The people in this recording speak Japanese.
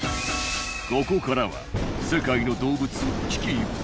ここからは世界の動物危機一髪